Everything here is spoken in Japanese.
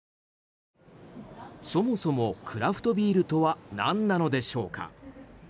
そもそもクラフトビールとは何なのでしょうか。